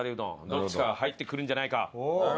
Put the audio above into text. どっちかが入ってくるんじゃないか。